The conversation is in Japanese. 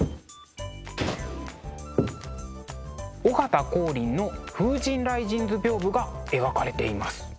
尾形光琳の「風神雷神図屏風」が描かれています。